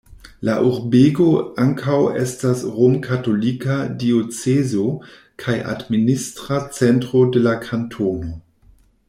La urbego ankaŭ estas romkatolika diocezo kaj administra centro de la kantono.